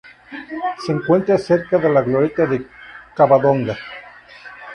Se encuentra cerca de la glorieta de Covadonga.